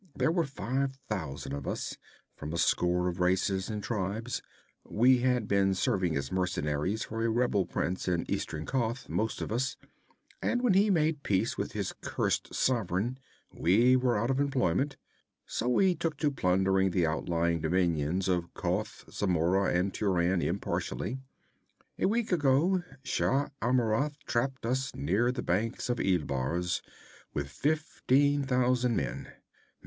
There were five thousand of us, from a score of races and tribes. We had been serving as mercenaries for a rebel prince in eastern Koth, most of us, and when he made peace with his cursed sovereign, we were out of employment; so we took to plundering the outlying dominions of Koth, Zamora and Turan impartially. A week ago Shah Amurath trapped us near the banks of Ilbars with fifteen thousand men.